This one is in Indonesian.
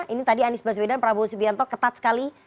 ini tadi anies baswedan prabowo subianto ketat sekali